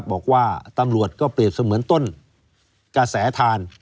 บอกว่าตำรวจก็เปรียบเสมือนต้นกระแสทาน